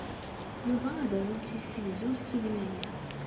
Yuba ad awent-d-yessegzu s tugna-a.